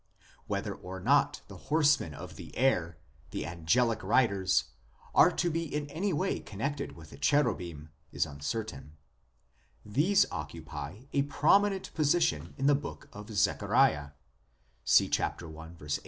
Whether or not the horsemen of the air, the angelic riders, are to be in any way connected with the cherubim is uncertain ; these occupy a prominent position in the book of Zechariah (see i.